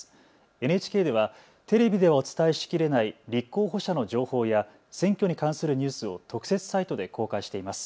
ＮＨＫではテレビではお伝えしきれない立候補者の情報や選挙に関するニュースを特設サイトで公開しています。